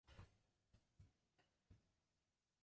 百鬼夜行。